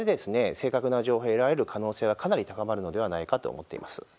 正確な情報を得られる可能性はかなり高まるのではないかと思っています。